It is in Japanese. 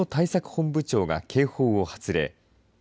本部長が警報を発令。